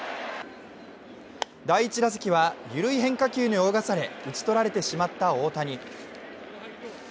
第１打席は緩い変化球に泳がされ打ち取られてしまった大谷。